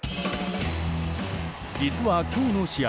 実は今日の試合